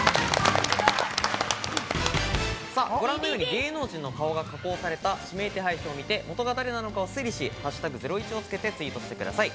ご覧のように、芸能人の顔が加工された指名手配書を見て、元が誰なのかを推理し、「＃ゼロイチ」をつけてツイートしてください。